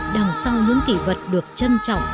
đằng sau những kỷ vật được trân trọng